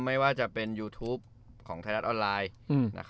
ไม่ว่าจะเป็นยูทูปของไทยรัฐออนไลน์